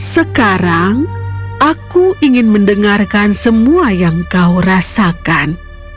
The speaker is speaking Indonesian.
sekarang aku ingin mendengarkan semua yang kau rasakan